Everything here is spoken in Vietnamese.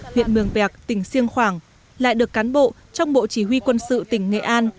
huyện mường vẹc tỉnh siêng khoảng lại được cán bộ trong bộ chỉ huy quân sự tỉnh nghệ an